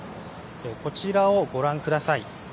こちらをご覧ください。